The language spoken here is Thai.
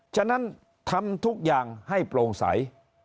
ฉะนั้นทำทุกอย่างให้โปร่งใส